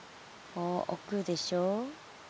こうおくでしょ。